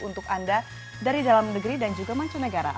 untuk anda dari dalam negeri dan juga mancun negara